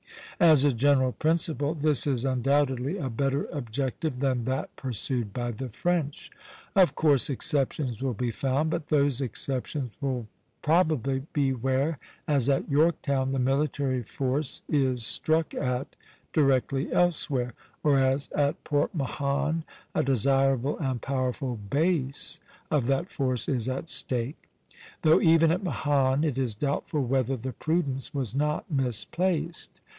As a general principle, this is undoubtedly a better objective than that pursued by the French. Of course, exceptions will be found; but those exceptions will probably be where, as at Yorktown, the military force is struck at directly elsewhere, or, as at Port Mahon, a desirable and powerful base of that force is at stake; though even at Mahon it is doubtful whether the prudence was not misplaced.